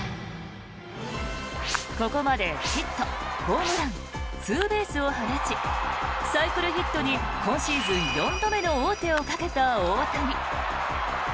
ここまでヒット、ホームランツーベースを放ちサイクルヒットに今シーズン４度目の王手をかけた大谷。